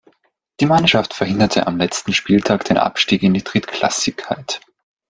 Die Mannschaft verhinderte am letzten Spieltag den Abstieg in die Drittklassigkeit.